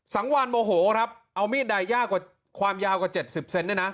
สังวานโมโหครับเอามีดใดยากกว่าความยาวกว่า๗๐เซนเนี่ยนะ